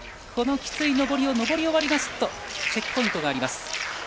このきつい上りを上り終わりますとチェックポイントがあります。